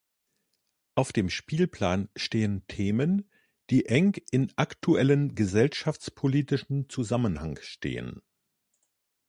Auf dem Spielplan stehen Themen, die eng in aktuellen gesellschaftspolitischen Zusammenhang stehen.